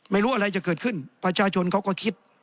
ไม่รู้อะไรจะเกิดขึ้นประชาชนเขาก็คิด